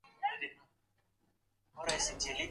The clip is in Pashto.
پارلمان به د خبريالانو د امنيت د خونديتوب اصول ټاکلي وي.